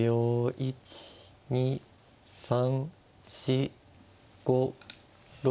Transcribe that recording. １２３４５６。